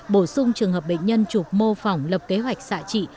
bổ sung trường hợp bệnh nhân chụp mô phỏng lập kế hoạch xạ trị